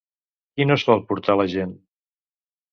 Què no sol portar la gent?